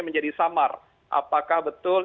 menjadi samar apakah betul